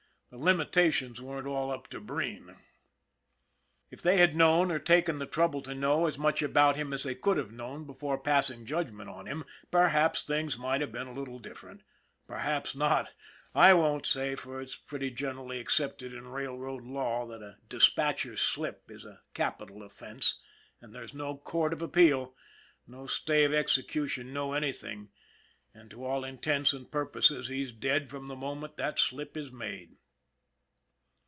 The limitations weren't all up to Breen. If they had known, or taken the trouble to know, as much about him as they could have known before passing judgment on him, perhaps things might have been a little different ; perhaps not, I won't say, for it's pretty generally accepted in railroad law that a dis patcher's slip is a capital offense, and there's no court of appeal, no stay of execution, no anything, and to all intents and purposes he's dead from the moment that slip is made.